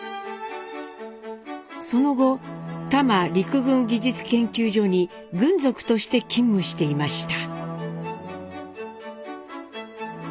その後多摩陸軍技術研究所に軍属として勤務していました。